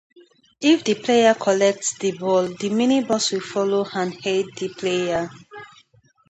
If the player collects the ball, the miniboss will follow and aid the player.